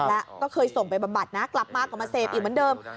แล้วก็เคยส่งไปบำบัดนะกลับมาก็มาเสพอีกเหมือนเดิม